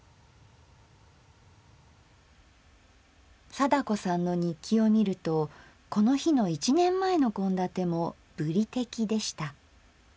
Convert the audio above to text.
貞子さんの日記を見るとこの日の１年前の献立も「ぶりてき」でした。